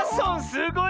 すごい。